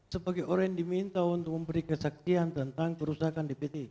sebagai orang yang diminta untuk memberi kesaksian tentang kerusakan dpt